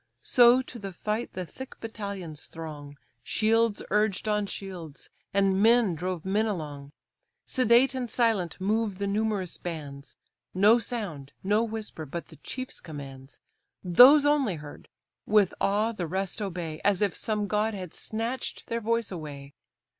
So to the fight the thick battalions throng, Shields urged on shields, and men drove men along Sedate and silent move the numerous bands; No sound, no whisper, but the chief's commands, Those only heard; with awe the rest obey, As if some god had snatch'd their voice away.